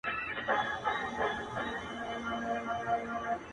زما پۀ زړۀ بلاندي د تورو ګزارونه كېدل،